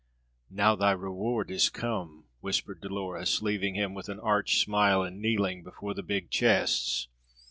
"Now thy reward is come," whispered Dolores, leaving him with an arch smile and kneeling before the big chests.